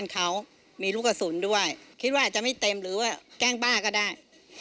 ทำไมคุณพี่คิดแบบนั้น